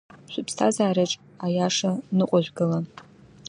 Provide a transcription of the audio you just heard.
Шәыԥсҭазаараҿ аиаша ныҟәыжәгала…